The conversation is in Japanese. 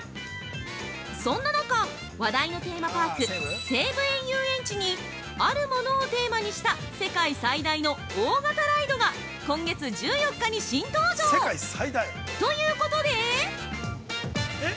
そんな中、話題のテーマパーク西武園ゆうえんちにあるものをテーマにした世界最大の大型ライドが今月１４日に新登場！ということで◆